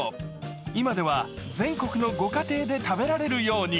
今では全国のご家庭で食べられるように。